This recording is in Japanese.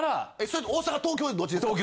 それ大阪・東京どっちですか？